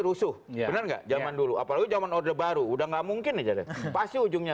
rusuh ya enggak zaman dulu apalagi zaman order baru udah nggak mungkin aja deh pasti ujungnya